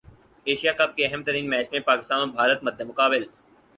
Asia cup کے اہم ترین میچ میں پاکستان اور بھارت مد مقابل